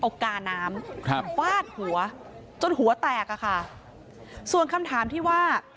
อกกาน้ำวาดหัวจนหัวแตกค่ะค่ะส่วนคำถามที่ว่า